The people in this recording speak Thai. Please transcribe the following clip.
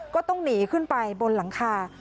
ก็ต้องหนีขึ้นไปบนหลังคา